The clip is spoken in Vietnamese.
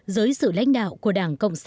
dưới sự lãnh đạo của đảng cộng sản